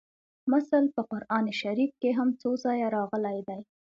مثل په قران شریف کې هم څو ځایه راغلی دی